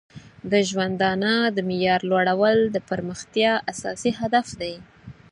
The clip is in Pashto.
د ژوندانه د معیار لوړول د پرمختیا اساسي هدف دی.